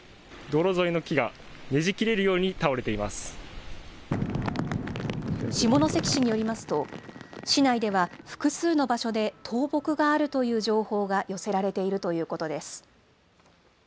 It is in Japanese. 道路沿いの木がねじ切れるように下関市によりますと、市内では複数の場所で倒木があるという情報が寄せられているということです。